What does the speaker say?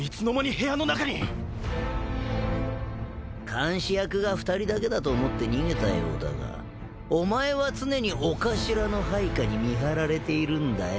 監視役が２人だけだと思って逃げたようだがお前は常に御頭の配下に見張られているんだよ。